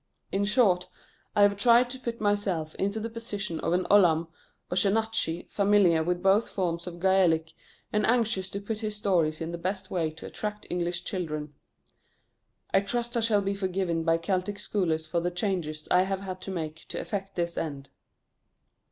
In short, I have tried to put myself into the position of an ollamh or sheenachie familiar with both forms of Gaelic, and anxious to put his stories in the best way to attract English children. I trust I shall be forgiven by Celtic scholars for the changes I have had to make to effect this end.